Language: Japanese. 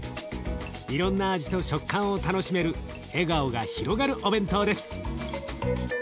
いろんな味と食感を楽しめる笑顔が広がるお弁当です。